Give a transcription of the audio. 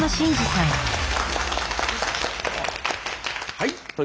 はい。